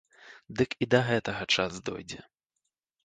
Дык і да гэтага час дойдзе.